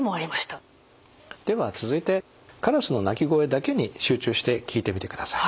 では続いてカラスの鳴き声だけに集中して聴いてみてください。